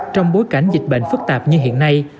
trong bối cảnh dịch bệnh phức tạp như hiện nay